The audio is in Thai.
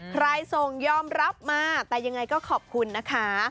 ใครส่งยอมรับมาแต่ยังไงก็ขอบคุณนะคะ